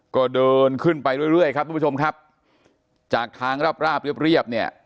ก็เดินขึ้นไปเรื่อยครับทุกผู้ชมครับจากทางราบเรียบเนี่ย